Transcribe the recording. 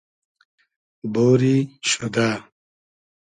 بۉری شودۂ